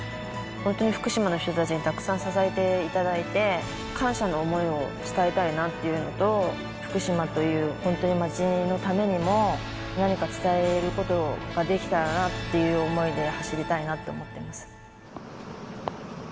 本当に福島の人たちにたくさん支えていただいて、感謝の想いを伝えたいなっていうのと、福島という本当に町のためにも、何か伝えることができたらなっていう想いで走りたいなと思ってます。